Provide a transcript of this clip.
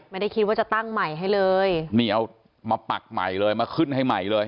ไม่ได้คิดว่าจะตั้งใหม่ให้เลยนี่เอามาปักใหม่เลยมาขึ้นให้ใหม่เลย